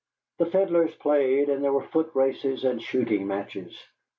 The fiddlers played, and there were foot races and shooting matches.